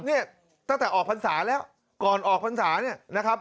เนี่ยตั้งแต่ออกพรรษาแล้วก่อนออกพรรษาเนี่ยนะครับ